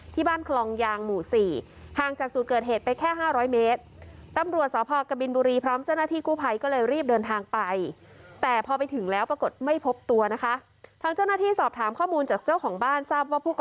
ที่บ้านคลองยางหมู่๔ห่างจากจุดเกิดเหตุไปแค่๕๐๐เมตร